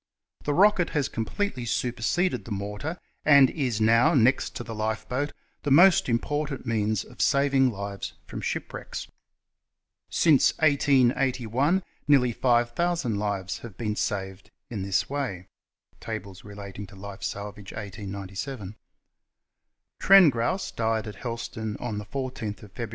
The rocket has completely superseded the mortar, and is now, next to the lifeboat, the most important means of saving lives from shipwrecks. Since 1881 nearly five thousand lives have been saved in this way {Tables relating to Life Salvage f 1897). Trengrouse died at Helston on 14 Feb.